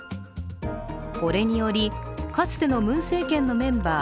これにより、かつてのムン政権のメンバー